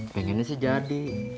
pengennya sih jadi